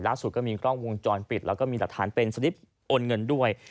ก็มีกล้องวงจรปิดแล้วก็มีหลักฐานเป็นสลิปโอนเงินด้วย